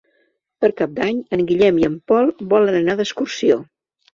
Per Cap d'Any en Guillem i en Pol volen anar d'excursió.